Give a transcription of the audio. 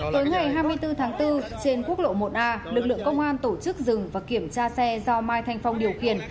tối ngày hai mươi bốn tháng bốn trên quốc lộ một a lực lượng công an tổ chức dừng và kiểm tra xe do mai thanh phong điều khiển